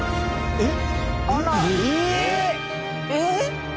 えっ？